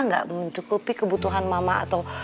nggak mencukupi kebutuhan mama atau